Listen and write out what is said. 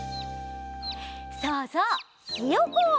そうそうひよこ！